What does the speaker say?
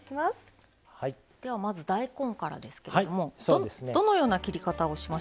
ではまず大根からですけれどもどのような切り方をしましょうか。